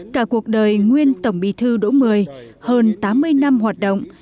cả cuộc đời nguyên tổng bí thư đỗ mười hơn tám mươi năm hoạt động